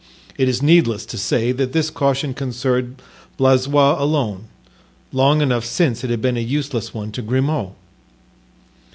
It is needless to say that this caution concerned Blaisois alone—long enough since it had been a useless one to Grimaud.